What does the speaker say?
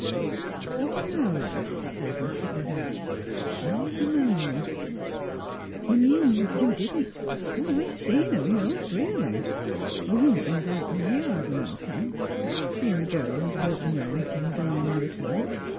'* I dunno," she said, and shook her head. '* I dunno. ''" You mean you didn't "'' I seen 'em — all three of 'em. The woman was out in th' yard when I come. She an' th' girl was walkin' 'round kind of aimless like.